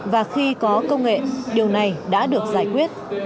và khi có công nghệ điều này đã được giải quyết